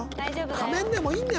仮面でもいいんだよ